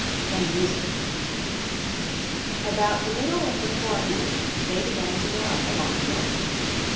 The Musicker About the middle of the forenoon they began to go up a long hill.